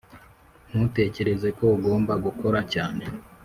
Ntutekereze ko ugomba gukora cyane